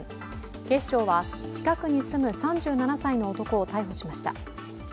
警視庁は近くに住む３７歳の男を逮捕しました。